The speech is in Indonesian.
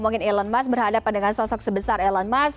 mungkin elon musk berhadapan dengan sosok sebesar elon musk